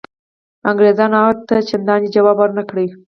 انګرېزانو هغه ته چنداني ځواب ورنه کړ.